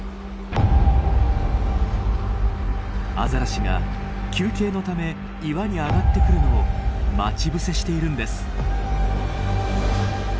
アザラシが休憩のため岩に上がってくるのを待ち伏せしているんです。